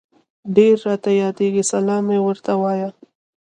ډير راته ياديږي سلام مي ورته وايه